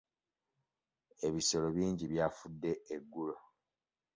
Ebisolo bingi byafudde eggulo.